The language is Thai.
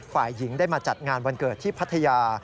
ฝ่ายหญิงได้มาจัดงานวันเกิดที่พัทยา